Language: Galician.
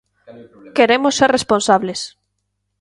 Queremos ser responsables.